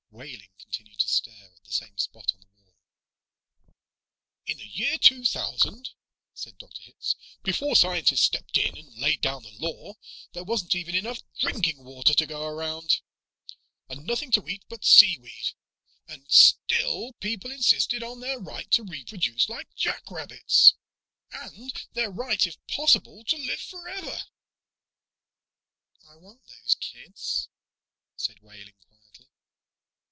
Wehling continued to stare at the same spot on the wall. "In the year 2000," said Dr. Hitz, "before scientists stepped in and laid down the law, there wasn't even enough drinking water to go around, and nothing to eat but sea weed and still people insisted on their right to reproduce like jackrabbits. And their right, if possible, to live forever." "I want those kids," said Wehling quietly.